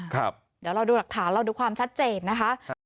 เดี๋ยวเราดูหลักฐานเราดูความชัดเจนนะคะ